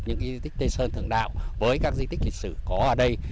những di tích tây sơn thượng đạo với các di tích lịch sử có ở đây